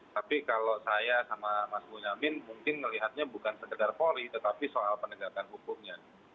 tapi kalau saya sama mas bonyamin mungkin melihatnya bukan sekedar polri tetapi soal penegakan hukumnya